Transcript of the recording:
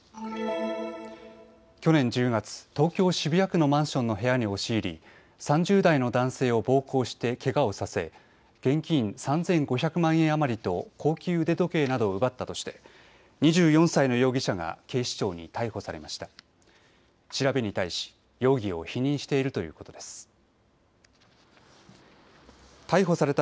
去年１０月、東京渋谷区のマンションの部屋に押し入り３０代の男性を暴行してけがをさせ現金３５００万円余りと高級腕時計などを奪ったとして２４歳の容疑者が警視庁に逮捕されました。